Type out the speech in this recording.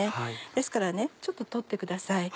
ですからちょっと取ってください。